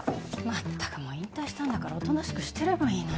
まったくもう引退したんだからおとなしくしてればいいのに。